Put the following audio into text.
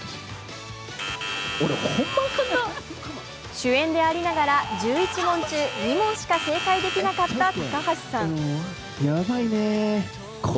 主演でありながら１１問中２問しか正解できなかった高橋さん。